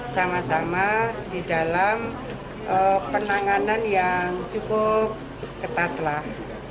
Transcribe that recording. sama sama di dalam penanganan yang cukup ketatlah